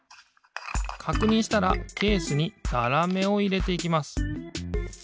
かくにんしたらケースにざらめをいれていきます。